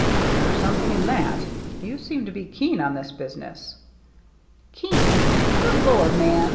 " There's something in that. You seem to be keen on this business." " Keen ! Good Lord, man